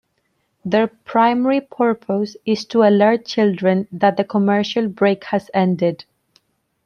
Their primary purpose is to alert children that the commercial break has ended.